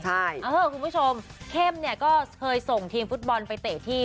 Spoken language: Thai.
ใช่เออคุณผู้ชมเข้มเนี่ยก็เคยส่งทีมฟุตบอลไปเตะที่